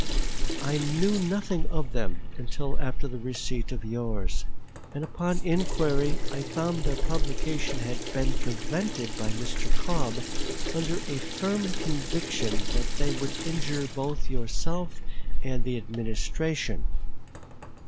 I knew nothing of them until after the receipt of yours; and upon inquiry I found their publication had been prevented by Mr. Cobb under a firm conviction that they would injure both yourself and the Administration.